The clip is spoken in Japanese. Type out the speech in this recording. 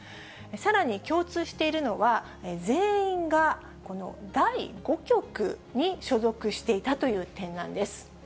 さらに共通しているのは、全員がこの第５局に所属していたという点なんです。